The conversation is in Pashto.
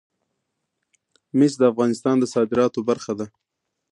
مس د افغانستان د صادراتو برخه ده.